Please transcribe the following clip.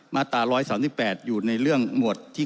มาตรา๑๓๘อยู่ในเรื่องหมวดที่๒